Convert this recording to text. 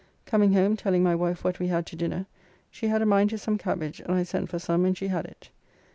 Coming home telling my wife what we had to dinner, she had a mind to some cabbage, and I sent for some and she had it.